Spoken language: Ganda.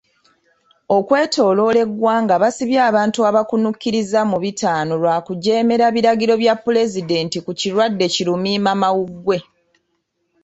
Okwetooloola eggwanga basibye abantu abakkunukkiriza mu bitaano lwa kujeemera biragiro bya pulezidenti ku kirwadde ki Lumiimamawuggwe.